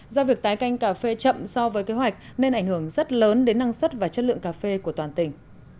do việc tái canh cà phê chậm so với kế hoạch nên ảnh hưởng rất lớn đến năng suất và chất lượng cà phê của toàn tỉnh